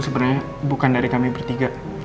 makanan itu bukan dari kami bertiga